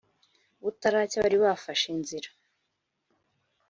butaracya, bari bafashe inzira.